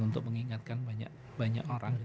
untuk mengingatkan banyak orang